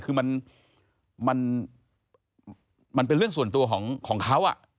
คือมันเป็นเรื่องส่วนตัวของเขา